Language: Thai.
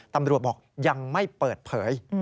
ตำรวจบอกยังไม่เปิดเผย